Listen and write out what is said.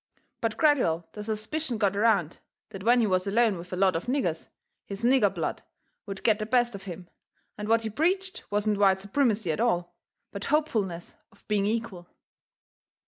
But gradual the suspicion got around that when he was alone with a lot of niggers his nigger blood would get the best of him, and what he preached wasn't white supremacy at all, but hopefulness of being equal.